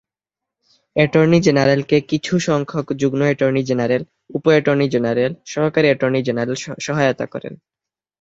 Attorney জেনারেলকে কিছু সংখ্যক যুগ্ম অ্যাটর্নি জেনারেল, উপ অ্যাটর্নি জেনারেল, সহকারী অ্যাটর্নি জেনারেল সহায়তা করেন।